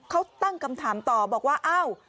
เขาตั้งคำถามต่อบอกว่าอ้าว